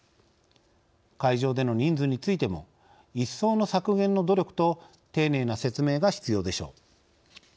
会場での人数についても一層の削減の努力と丁寧な説明が必要でしょう。